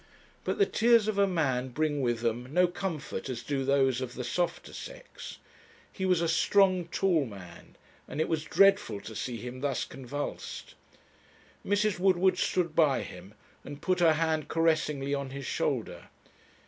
But the tears of a man bring with them no comfort as do those of the softer sex. He was a strong tall man, and it was dreadful to see him thus convulsed. Mrs. Woodward stood by him, and put her hand caressingly on his shoulder.